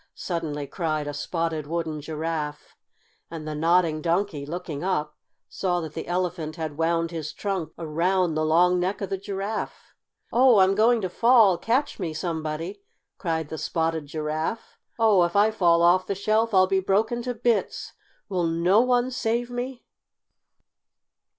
suddenly cried a Spotted Wooden Giraffe, and the Nodding Donkey, looking up, saw that the Elephant had wound his trunk around the long neck of the Giraffe. "Oh, I'm going to fall! Catch me, somebody!" cried the Spotted Giraffe. "Oh, if I fall off the shelf I'll be broken to bits! Will no one save me?"